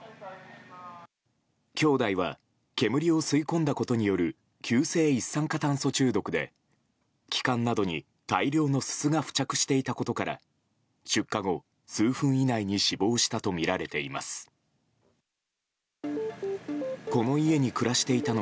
兄弟は煙を吸い込んだことによる急性一酸化炭素中毒で気管などに大量のすすが付着していたことから出火後数分以内に死亡したとみられています。